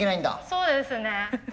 そうですね。